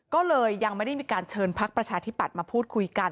ก็เลยยังไม่ได้มีการเชิญพักประชาธิปัตย์มาพูดคุยกัน